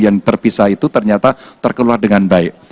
yang terpisah itu ternyata terkeluar dengan baik